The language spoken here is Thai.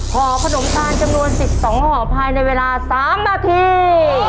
ห่อขนมตาลจำนวน๑๒ห่อภายในเวลา๓นาที